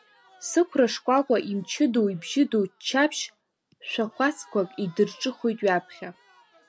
Сықәра шкәакәа имчыдоу, ибжьыдоу, ччаԥшь шәахәацқәак идырҿыхоит ҩаԥхьа.